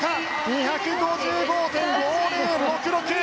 ２５５．５０６６。